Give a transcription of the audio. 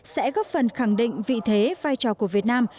sẽ góp phần khẳng định vị thế vai trò của việt nam